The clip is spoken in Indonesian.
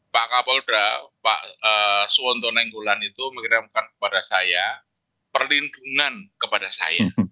pak kapolda pak suwonto nainggolan itu mengirimkan kepada saya perlindungan kepada saya